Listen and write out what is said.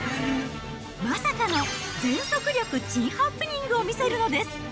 まさかの全速力珍ハプニングを見せるのです。